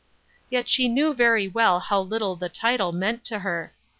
Yet she knew very well how little the title meant to her.